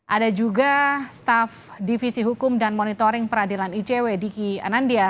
ada juga staff divisi hukum dan monitoring peradilan icw diki anandya